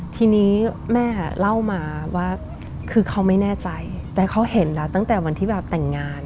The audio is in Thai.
ทีนี้แม่เล่ามาว่าคือเขาไม่แน่ใจแต่เขาเห็นแล้วตั้งแต่วันที่แบบแต่งงาน